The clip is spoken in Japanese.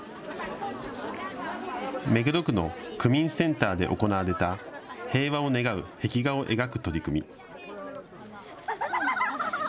目黒区の区民センターで行われた平和を願う壁画を描く取り組み。